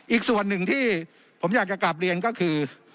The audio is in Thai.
อีกส่วนหนึ่งที่ผมอยากจะกลับเรียนก็คือ